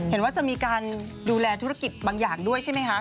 เห็นว่าจะมีการดูแลธุรกิจบางอย่างด้วยใช่ไหมคะ